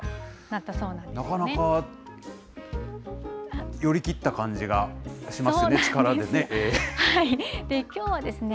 なかなか寄り切った感じがしますね、力でね。